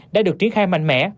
đã được triển khai mạnh mẽ